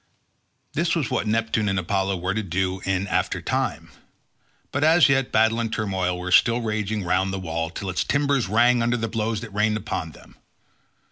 This was what Neptune and Apollo were to do in after time; but as yet battle and turmoil were still raging round the wall till its timbers rang under the blows that rained upon them.